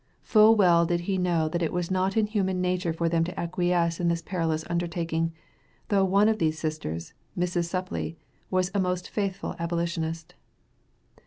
For full well did he know that it was not in human nature for them to acquiesce in this perilous undertaking, though one of these sisters, Mrs. Supplee, was a most faithful abolitionist.